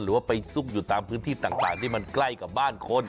หรือว่าไปซุกอยู่ตามพื้นที่ต่างที่มันใกล้กับบ้านคน